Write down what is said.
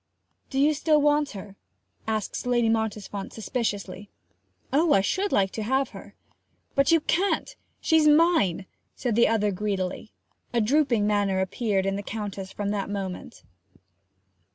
'Do you still want her?' asks Lady Mottisfont suspiciously. 'Oh, I should like to have her!' 'But you can't! She's mine!' said the other greedily. A drooping manner appeared in the Countess from that moment.